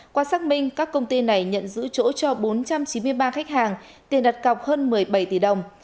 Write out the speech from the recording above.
qua xác minh các công ty này nhận giữ chỗ cho bốn trăm chín mươi ba khách hàng tiền đặt cọc hơn một mươi bảy tỷ đồng